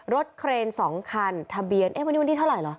รถเครนสองคันทะเบียนวันนี้วันนี้เท่าไหร่หรอ